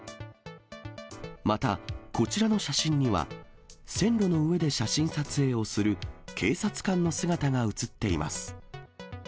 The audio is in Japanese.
また、こちらの写真には、線路の上で写真撮影をする警察官の姿が写っています。